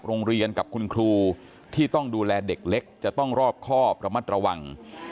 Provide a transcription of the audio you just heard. โรงเรียนกับคุณครูที่ต้องดูแลเด็กเล็กจะต้องรอบครอบระมัดระวัง